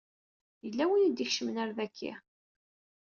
Yella win i d-ikecmen ar daki.